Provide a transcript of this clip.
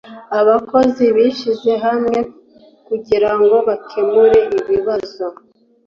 Abakozi bishyize hamwe kugirango bakemure ikibazo